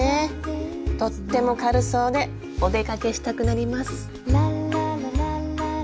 とっても軽そうでお出かけしたくなります。